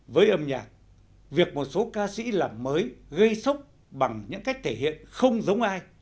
với âm nhạc việc một số ca sĩ làm mới gây sốc bằng những cách thể hiện không giống ai